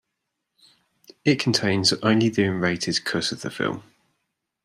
It contains only the unrated cut of the film.